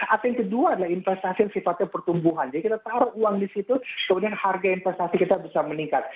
atau yang kedua adalah investasi yang sifatnya pertumbuhan jadi kita taruh uang di situ kemudian harga investasi kita bisa meningkat